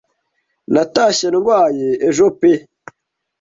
natashye ndwaye.ejo pe